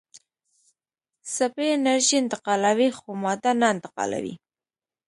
څپې انرژي انتقالوي خو ماده نه انتقالوي.